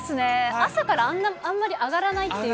朝からあんまり上がらないっていうのが。